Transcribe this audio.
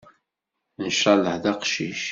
Nchallah d aqcic.